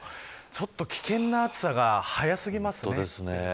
ちょっと危険な暑さが早すぎます。